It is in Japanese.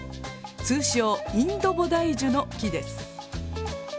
通称「インドボダイジュ」の木です。